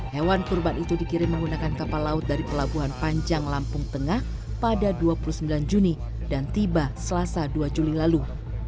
hewan kurban itu dikirim menggunakan kapal laut dari pelabuhan panjang lampung tengah pada dua puluh sembilan juni dan tiba selasa dua juli lalu